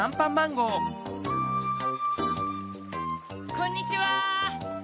こんにちは！